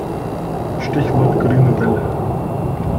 Stichwort grüne Welle.